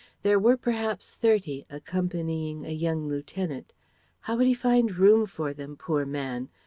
There were perhaps thirty, accompanying a young lieutenant. How would he find room for them, poor man?